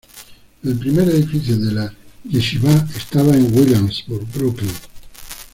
El primer edificio de la yeshivá estaba en Williamsburg, Brooklyn.